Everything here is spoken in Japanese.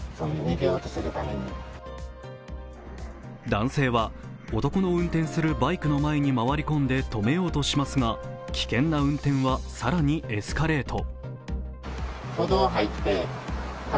男性は男の運転するバイクの前に回り込んで止めようとしますが、危険な運天は更にエスカレート。